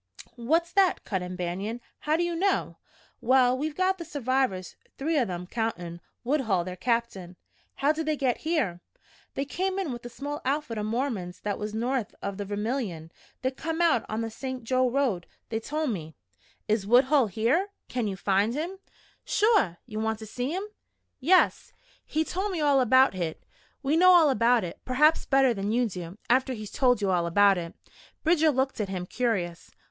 "What's that?" cut in Banion. "How do you know?" "Well, we've got the survivors three o' them, countin' Woodhull, their captain." "How did they get here?" "They came in with a small outfit o' Mormons that was north o' the Vermilion. They'd come out on the St. Jo road. They told me " "Is Woodhull here can you find him?" "Shore! Ye want to see him?" "Yes." "He told me all about hit " "We know all about it, perhaps better than you do after he's told you all about it." Bridger looked at him, curious.